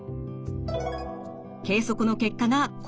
計測の結果がこちら。